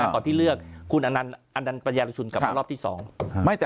ก่อนที่เลือกคุณอันนันต์ปัญญารชุนกลับมารอบที่๒